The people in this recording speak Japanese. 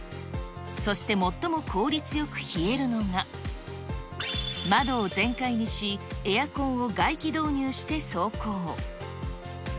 そして最も効率よく冷えるのが、窓を全開にし、エアコンを外気導入して走行。